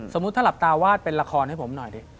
ถ้าหลับตาวาดเป็นละครให้ผมหน่อยดิ